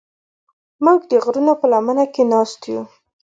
موږ د غرونو په لمنه کې ناست یو.